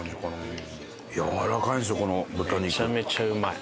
めちゃめちゃうまい。